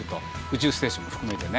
宇宙ステーションも含めて。